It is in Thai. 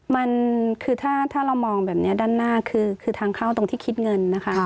มันคือถ้าเรามองแบบนี้ด้านหน้าคือทางเข้าตรงที่คิดเงินนะคะ